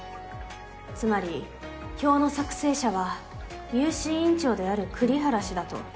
つまり表の作成者は入試委員長である栗原氏だと？